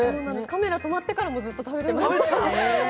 カメラ止まってからも、ずっと食べてました。